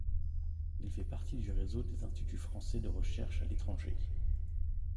Il fait partie du réseau des instituts français de recherche à l'étranger.